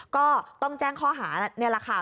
ก็ต้องแจ้งข้อหาในราคา